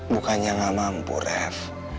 bukannya gak mampu ref